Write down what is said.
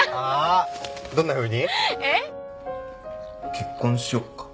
結婚しよっか。